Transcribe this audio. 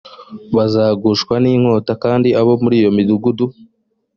bazagushwa n inkota kandi abo muri iyo midugudu